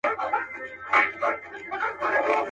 ورسره به وي ټولۍ د شیطانانو.